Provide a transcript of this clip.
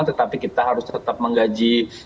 tetapi kita harus tetap menggaji